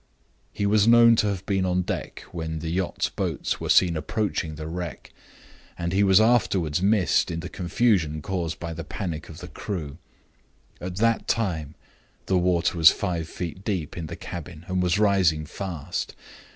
"He was known to have been on deck when the yacht's boats were seen approaching the wreck; and he was afterward missed in the confusion caused by the panic of the crew. At that time the water was five feet deep in the cabin, and was rising fast.